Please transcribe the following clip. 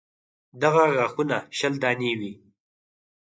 دغه غاښونه شل دانې وي.